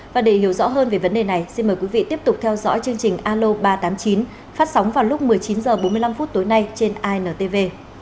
và để hiểu rõ hơn về vấn đề này xin mời quý vị tiếp tục theo dõi chương trình alo ba trăm tám mươi chín phát sóng vào lúc một mươi chín h bốn mươi năm tối nay trên intv